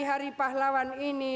hari pahlawan ini